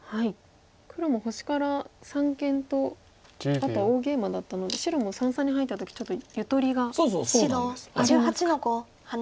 黒も星から三間とあとは大ゲイマだったので白も三々に入った時ちょっとゆとりがありますか。